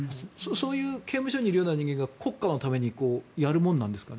そういう刑務所にいるような人間が国家のためにやるものなんですかね。